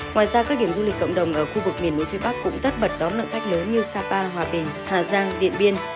ngoài ra các điểm du lịch cộng đồng ở khu vực miền núi phía bắc cũng tất bật đón lượng khách lớn như sapa hòa bình hà giang điện biên